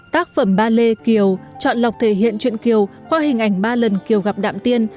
tác phẩm ballet kiều chọn lọc thể hiện chuyện kiều qua hình ảnh ba lần kiều gặp đạm tiên